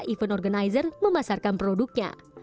event organizer memasarkan produknya